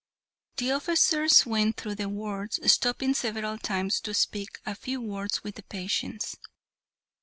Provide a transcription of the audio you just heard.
The officers went through the wards, stopping several times to speak a few words to the patients.